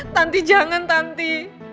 tanti jangan tanti